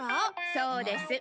そうです。